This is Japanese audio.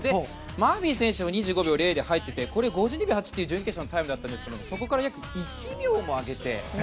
マーフィー選手も２５秒０で入っていて５２秒８という準決勝のタイムだったんですがそれから約１秒も上げて。